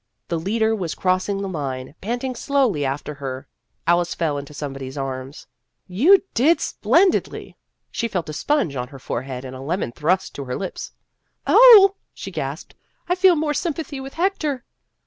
The leader was cross ing the line. Panting slowly after her, Alice fell into somebody's arms. " You did splendidly !" She felt a sponge on her forehead and a lemon thrust to her lips. " Oh," she gasped, " 1 feel more sympathy with Hector